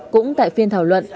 cũng tại phiên thảo luận